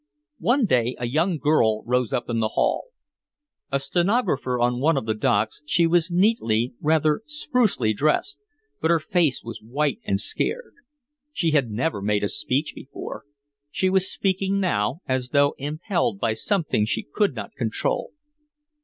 One day a young girl rose up in the hall. A stenographer on one of the docks, she was neatly, rather sprucely dressed, but her face was white and scared. She had never made a speech before. She was speaking now as though impelled by something she could not control.